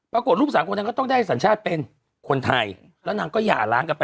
ลูกสามคนนั้นก็ต้องได้สัญชาติเป็นคนไทยแล้วนางก็หย่าล้างกันไป